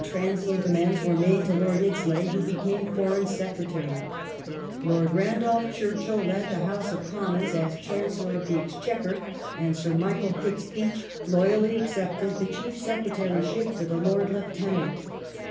1901) THE *'PLAN OF CAMPAIGN" 517 transient amends were made to Lord Iddesleigh who became Foreign Secretary ; Lord Randolph Churchill led the House of Commons as Chancellor of the Exchequer, and Sir Michael Hicks Beach loyally accepted the Chief Secretaryship to the Lord Lieutenant.